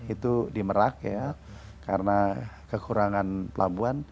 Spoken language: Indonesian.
itu di merak ya karena kekurangan pelabuhan